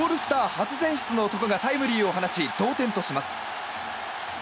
初選出の男がタイムリーを放ち同点とします。